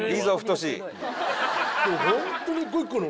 ホントに一個一個の。